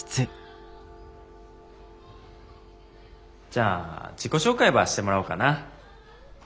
じゃあ自己紹介ばしてもらおうかな。